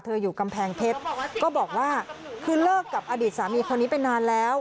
อยู่กำแพงเพชรก็บอกว่าคือเลิกกับอดีตสามีคนนี้ไปนานแล้ว